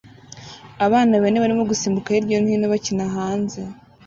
Abana bane barimo gusimbuka hirya no hino bakina hanze